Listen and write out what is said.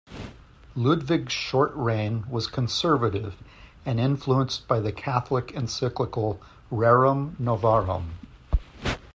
Ludwig's short reign was conservative and influenced by the Catholic encyclical "Rerum novarum".